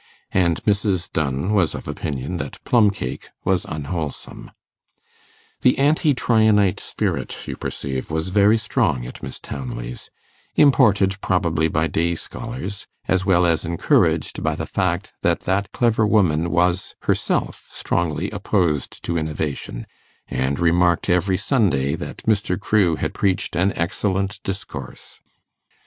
And Mrs. Dunn was of opinion that plumcake was unwholesome. The anti Tryanite spirit, you perceive, was very strong at Miss Townley's, imported probably by day scholars, as well as encouraged by the fact that that clever woman was herself strongly opposed to innovation, and remarked every Sunday that Mr. Crewe had preached an 'excellent discourse'.